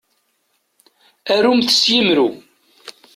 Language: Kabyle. Arumt s yimru.